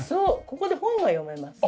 ここで本が読めます。